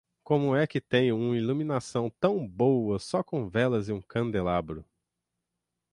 Como é que tem um iluminação tão boa só com velas e um candelabro?